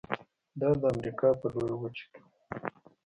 دا د امریکا په لویه وچه کې و.